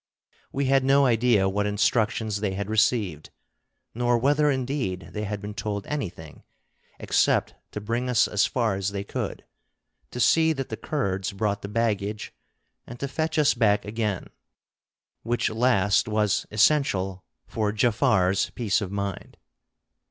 We had no idea what instructions they had received, nor whether indeed they had been told anything except to bring us as far as they could, to see that the Kurds brought the baggage, and to fetch us back again, which last was essential for Jaafar's peace of mind.